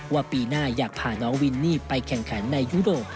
ปีหน้าอยากพาน้องวินนี่ไปแข่งขันในยุโรป